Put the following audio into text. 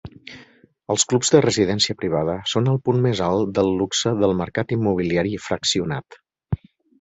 Els clubs de residència privada són el punt més alt del luxe del mercat immobiliari fraccionat.